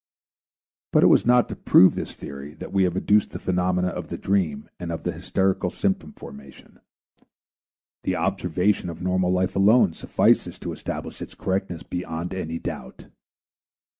But it was not to prove this theory that we have adduced the phenomena of the dream and of the hysterical symptom formation; the observation of normal life alone suffices to establish its correctness beyond any doubt.